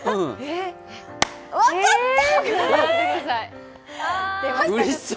分かった！